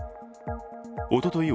おととい